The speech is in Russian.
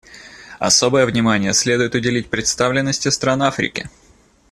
Особое внимание следует уделить представленности стран Африки.